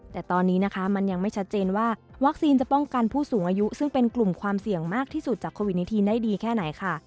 แต่ตอนนี้นะคะมันยังไม่ชัดเจนว่าวัคซีนจะป้องกันผู้สูงอายุซึ่งเป็นกลุ่มความเสี่ยงมากที่สุดจากโควิด๑๙ได้ดีแค่ไหนค่ะ